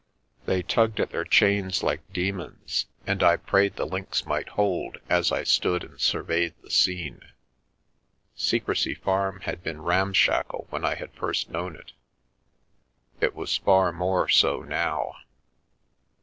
They tugged at their chains like demons, and I prayed the links might hold, as I stood and surveyed the scene. Secrecy Farm had been ramshackle when I had first known it; it was far more so now.